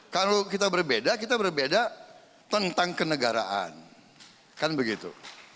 kalau kita berbeda kita berbeda tentang kenegaraan kan begitu